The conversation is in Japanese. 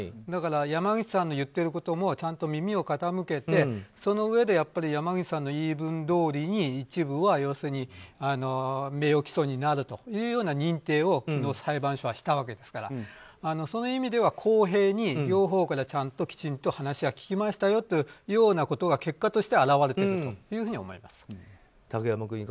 だから、山口さんの言ってることもちゃんと耳を傾けてそのうえで山口さんの言い分どおりに一部は名誉毀損になるというような認定を裁判所はしたわけですからそういう意味では公平に両方から、きちんと話は聞きましたよというようなことが結果として表れているというふうに思います。